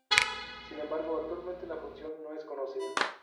Sin embargo, actualmente la función no es conocida.